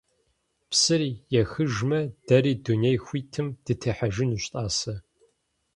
Псыр ехыжмэ, дэри дуней хуитым дытехьэжынущ, тӀасэ!